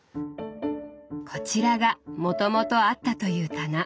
こちらがもともとあったという棚。